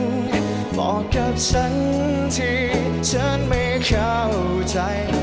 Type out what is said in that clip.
บอกกับฉันที่ฉันไม่เข้าใจ